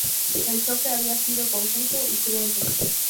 El choque había sido confuso y cruento.